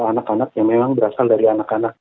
anak anak yang memang berasal dari anak anak